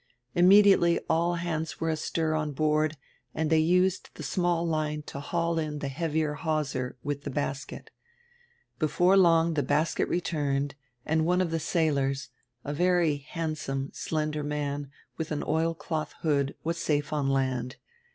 Imme diately all hands were astir on board and diey used die small line to haul in die heavier hawser with die basket Before long die basket returned and one of die sailors, a very handsome, slender man, with an oilclotii hood, was safe on land.